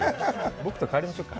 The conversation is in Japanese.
僕と代わりましょうか？